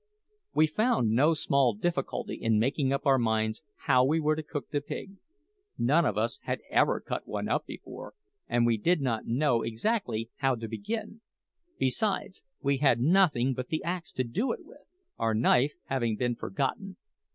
We found no small difficulty in making up our minds how we were to cook the pig. None of us had ever cut up one before, and we did not know exactly how to begin; besides, we had nothing but the axe to do it with, our knife having been forgotten.